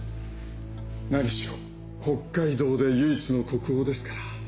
なにしろ北海道で唯一の国宝ですから。